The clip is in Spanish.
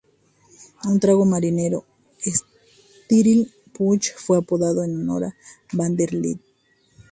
Un trago marinero, Stirling Punch, fue apodado en honor a Vanderbilt.